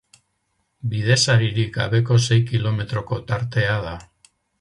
Bidesaririk gabeko sei kilometroko tartea da.